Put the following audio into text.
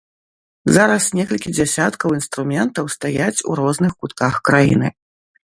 Зараз некалькі дзясяткаў інструментаў стаяць у розных кутках краіны.